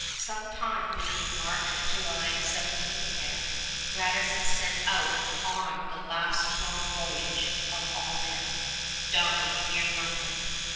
Some time between March and July, 1710, Radisson set out on the Last Long Voyage of all men, dying near London.